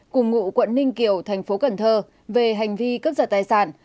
cùng ngụ quận ninh kiều thành phố cần thơ về hành vi cướp giật tài sản